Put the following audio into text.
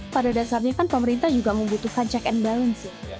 pada dasarnya kan pemerintah juga membutuhkan check and balance